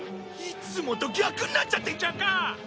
いつもと逆になっちゃってるじゃんか！